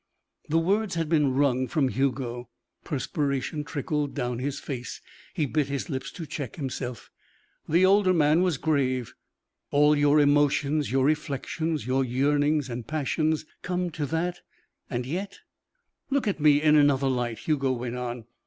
The words had been wrung from Hugo. Perspiration trickled down his face. He bit his lips to check himself. The older man was grave. "All your emotions, your reflections, your yearnings and passions, come to that. And yet " "Look at me in another light," Hugo went on.